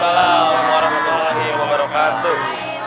waalaikumsalam warahmatullahi wabarakatuh